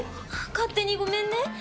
勝手にごめんね。